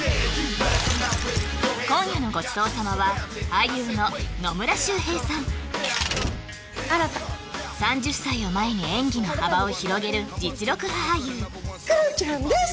今夜のごちそう様は３０歳を前に演技の幅を広げる実力派俳優クロちゃんです